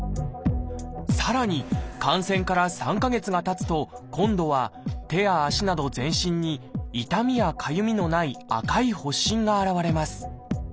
さらに感染から３か月がたつと今度は手や足など全身に痛みやかゆみのない赤い発疹が現れます。